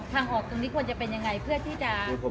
ทางออกตรงนี้ควรจะเป็นยังไงเพื่อที่จะมาสานร้อยล้า